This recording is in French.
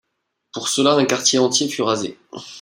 Pour cela, un quartier entier fut rasé.